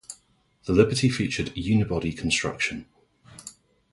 The Liberty featured unibody-construction.